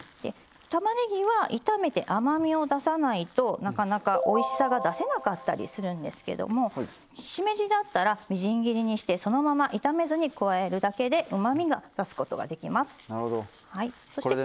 たまねぎは炒めて甘みを出さないとなかなかおいしさが出せなかったりするんですけどもしめじだったらみじん切りにしてそのまま炒めずに加えるだけでうまみを出すことができます。